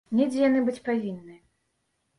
Недзе яны быць павінны.